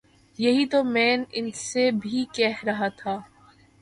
یہی تو میں ان سے بھی کہہ رہا تھا